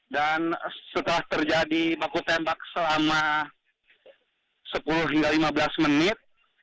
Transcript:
dan setelah terjadi baku tembak selama sepuluh hingga lima belas menit